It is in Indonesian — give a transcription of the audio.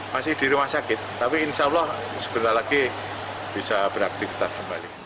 masih di rumah sakit tapi insya allah sebentar lagi bisa beraktivitas kembali